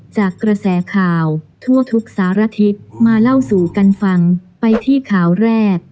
จากกระแสข่าวทั่วทุกสารทิศมาเล่าสู่กันฟังไปที่ข่าวแรก